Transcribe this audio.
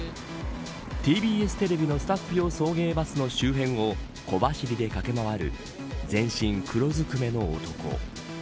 ＴＢＳテレビのスタッフ用送迎バスの周辺を小走りで駆け回る全身黒ずくめの男。